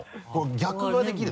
逆はできる？